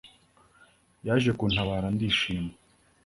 yaje kuntabara ndishima